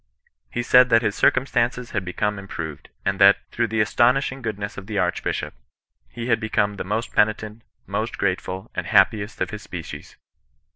He said that his circumstances had become im proved, and that, through the "astonishing goodness" of the Archbishop, he had become " the most penitent, the most grateful, and happiest of his species."